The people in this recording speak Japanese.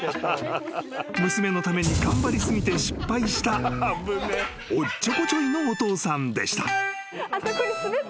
［娘のために頑張り過ぎて失敗したおっちょこちょいのお父さんでした］